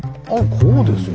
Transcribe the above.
こうですよ。